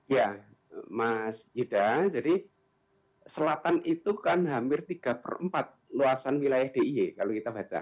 ya mas yudha jadi selatan itu kan hampir tiga per empat luasan wilayah diy kalau kita baca